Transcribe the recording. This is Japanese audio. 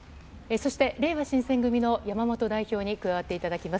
そして、れいわ新選組の山本代表に加わっていただきます。